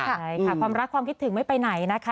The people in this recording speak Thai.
ใช่ค่ะความรักความคิดถึงไม่ไปไหนนะคะ